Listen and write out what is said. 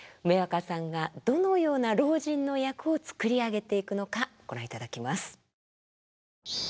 梅若さんがどのような老人の役を作り上げていくのかご覧いただきます。